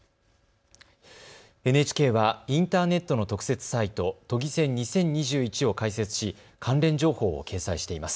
ＮＨＫはインターネットの特設サイト、都議選２０２１を開設し関連情報を掲載しています。